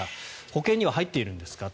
保険には入っているんですか？